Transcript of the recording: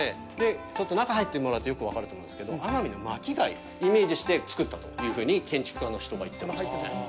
ちょっと、中に入ってもらうとよく分かると思うんですけど奄美の巻き貝をイメージして造ったというふうに建築家の人が言っていましたね。